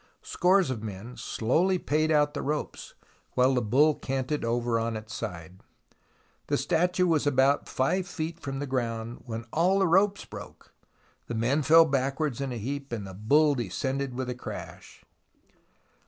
Scores of men slowly paid out the ropes, while the bull canted over on its side. The statue was about 5 feet from the ground, when all the ropes broke, the men fell backwards in a heap, and the bull descended with a crash.